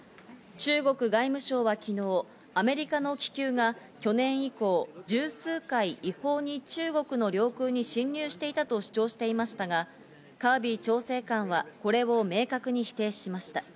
中国外務省は今日、アメリカの気球が去年以降、十数回、違法に中国の領空に侵入していたと主張していましたが、カービー調整官はこれを明確に否定しました。